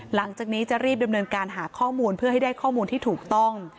หลังจากนี้จะรีบดำเนินการหาข้อมูลเพื่อให้ได้ข้อมูลที่ถูกต้อง